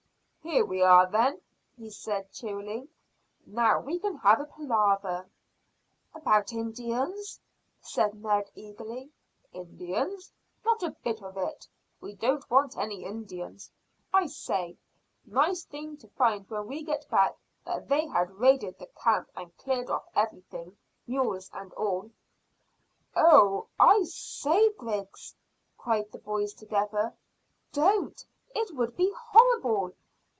"Here we are, then," he said cheerily. "Now we can have a palaver." "About Indians," said Ned eagerly. "Indians? Not a bit of it. We don't want any Indians. I say, nice thing to find when we get back that they had raided the camp and cleared off everything, mules and all." "Oh, I say, Griggs," cried the boys together, "don't! It would be horrible.